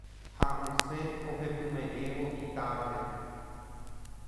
ha osẽ ohepyme'ẽvo itávare